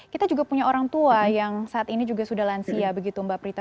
kita juga punya orang tua yang saat ini juga sudah lansia begitu mbak prita